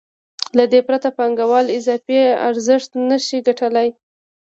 له دې پرته پانګوال اضافي ارزښت نشي ګټلی